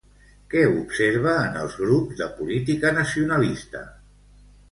Què observa en els grups de política nacionalista?